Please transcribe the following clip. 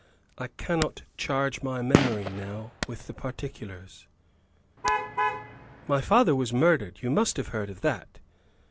I cannot charge my memory now with the particulars." "My father was murdered you must have heard of that?"